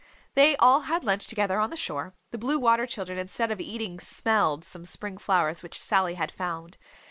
... They all had lunch together on the shore. The Blue Water Children instead of eating smelled some spring flowers which Sally had found.